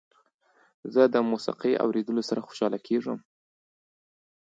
زه د موسيقۍ اوریدلو سره خوشحاله کیږم.